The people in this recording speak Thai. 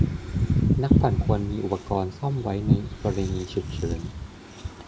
นักปั่นควรมีอุปกรณ์ซ่อมไว้ใช้ในกรณีฉุกเฉิน